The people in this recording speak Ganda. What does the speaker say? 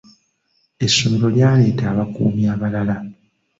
Essomero lyaleeta abakuumi abalala.